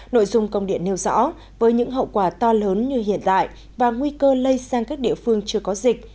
nội dung công điện nêu rõ với những hậu quả to lớn như hiện tại và nguy cơ lây sang các địa phương chưa có dịch